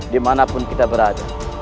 dimana pun kita berada